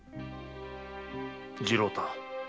次郎太